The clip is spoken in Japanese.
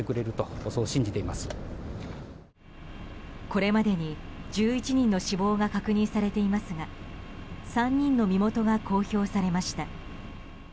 これまでに１１人の死亡が確認されていますが３人の身元が公表されました。